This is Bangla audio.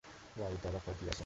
ওয়াও, এতে অবাক হওয়ার কি আছে?